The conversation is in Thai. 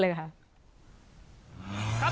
ได้มีการหลบหนีนะครับ